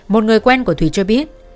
một người quen của thùy cho biết